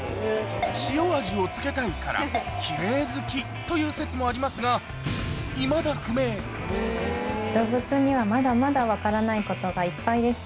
塩味をつけたいから、きれい好きという説もありますが、いまだ不動物にはまだまだ分からないことがいっぱいです。